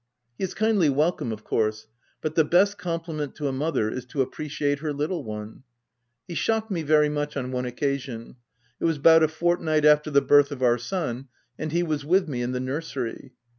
He is kindly welcome of course, but the best com pliment to a mother is to appreciate her little one. He shocked me very much on one occa sion : it was about a fortnight after the birth of our son, and he w T as with me in the nursery.